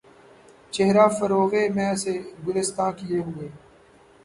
چہرہ فروغِ مے سے گُلستاں کئے ہوئے